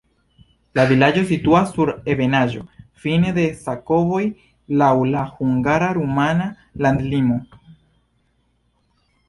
La vilaĝo situas sur ebenaĵo, fine de sakovojo, laŭ la hungara-rumana landlimo.